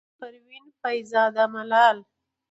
د پروين فيض زاده ملال،